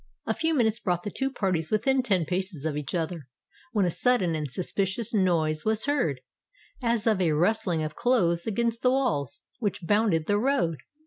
A few minutes brought the two parties within ten paces of each other; when a sudden and suspicious noise was heard, as of a rustling of clothes against the walls which bounded the road.